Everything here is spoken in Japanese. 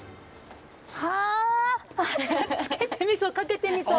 つけてみそかけてみそ。